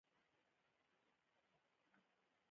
ټپي ته باید زغم ورکړو.